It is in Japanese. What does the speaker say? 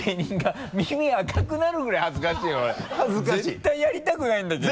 絶対やりたくないんだけど。